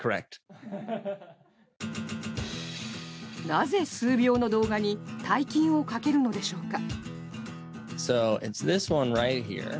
なぜ数秒の動画に大金をかけるのでしょうか。